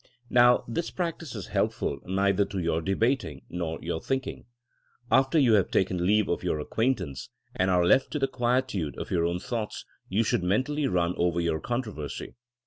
Now this practice is helpful neither to your debating nor your thinking. After you have taken leave of your acquaintance, and are left to the quietude of your own thoughts, you should mentally run over your controversy.